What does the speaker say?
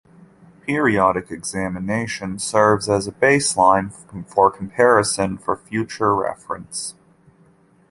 Periodic examination serves as a baseline for comparison for future reference.